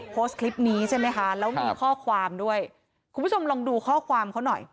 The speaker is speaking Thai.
โพสต์คลิปนี้ใช่ไหมคะแล้วมีข้อความด้วยคุณผู้ชมลองดูข้อความเขาหน่อย